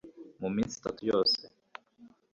mu minsi itatu yose